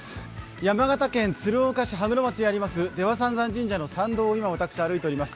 山形県鶴岡市羽黒町にある出羽三山神社の山道を歩いています。